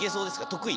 得意？